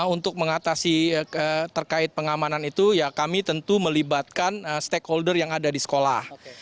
untuk mengatasi terkait pengamanan itu ya kami tentu melibatkan stakeholder yang ada di sekolah